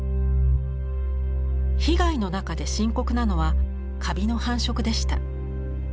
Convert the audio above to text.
被害の中で深刻なのはカビの繁殖でした。